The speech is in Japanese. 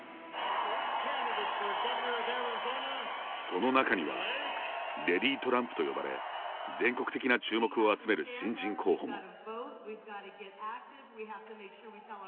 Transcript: その中にはレディー・トランプと呼ばれ全国的な注目を集める新人候補も。